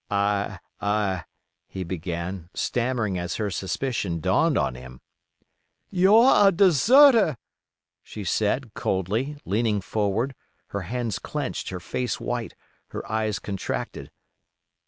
"I—I——" he began, stammering as her suspicion dawned on him. "You're a deserter!" she said, coldly, leaning forward, her hands clenched, her face white, her eyes contracted.